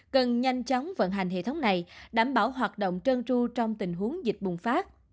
cần nhanh chóng vận hành hệ thống này đảm bảo hoạt động trân tru trong tình huống dịch bùng phát